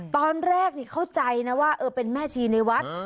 ตอนแรกเข้าใจนะว่าเออเป็นแม่ชีในวัด